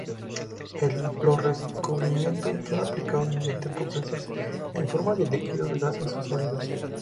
Los recubrimientos son aplicados mediante procesos en forma de líquidos, gases o sólidos.